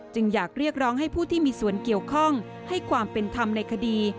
อยากเรียกร้องให้ผู้ที่มีส่วนเกี่ยวข้องให้ความเป็นธรรมในคดี